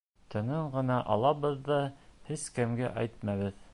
Төнөн генә алабыҙ ҙа, һис кемгә әйтмәбеҙ.